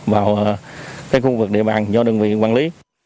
vào cái khu vực địa bàn do đơn vị quản lý